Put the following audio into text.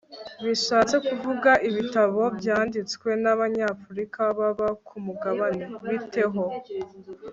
bishatse kuvuga ibitabo byanditswe nabanyafurika baba kumugabane? bite ho